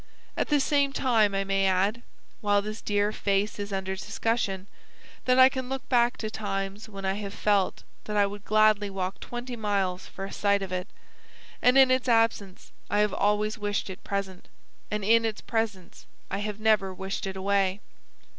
At the same time, I may add, while this dear face is under discussion, that I can look back to times when I have felt that I would gladly walk twenty miles for a sight of it; and in its absence I have always wished it present, and in its presence I have never wished it away."